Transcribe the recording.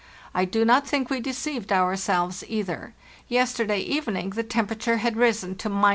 I do not think we deceived ourselves either. Yesterday evening the temperature had risen to —29.